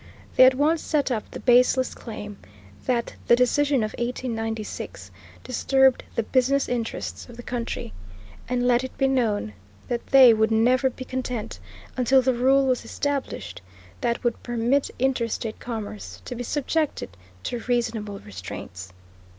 They at once set up the baseless claim that the decision of 1896 disturbed the 'business interests of the country,' and let it be known that they would never be content until the rule was established that would permit interstate commerce to be subjected to reasonable restraints."